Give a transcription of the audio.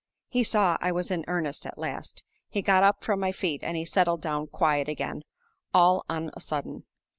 He saw I was in earnest at last. He got up from my feet, and he settled down quiet again, all on a sudden.